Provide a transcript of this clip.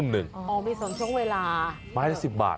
มีส่วนช่วงเวลาไม้ละ๑๐บาท